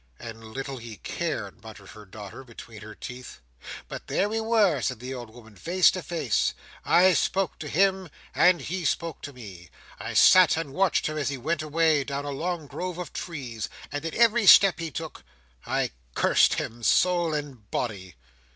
"And little he cared!" muttered her daughter, between her teeth. "But there we were, said the old woman, "face to face. I spoke to him, and he spoke to me. I sat and watched him as he went away down a long grove of trees: and at every step he took, I cursed him soul and body."